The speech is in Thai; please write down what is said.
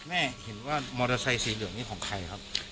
แม่เห็นว่ามอเตอร์ไซค์สีเหลืองนี้ของใครครับ